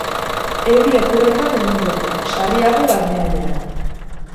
Euri apurren bat egingo du, sarriago barnealdean.